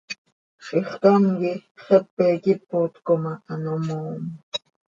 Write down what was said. Zixcám quih xepe quih ipot com ano moom.